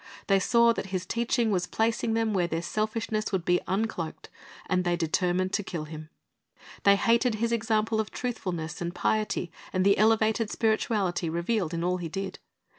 They saw that His teaching was placing them where their selfishness would be uncloaked, and they determined to kill Him. They hated His example of truthfulness and piety and the elevated spirituality revealed in all He did.